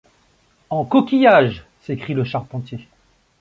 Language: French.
En coquillages! s’écria le charpentier.